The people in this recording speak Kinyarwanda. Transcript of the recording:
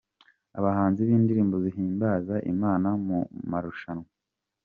Abahanzi bindirimbo zihimbaza imana mumarushanywa